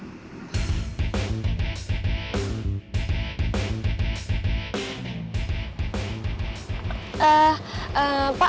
nggak ada apa apa